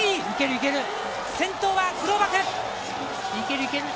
いける、いける！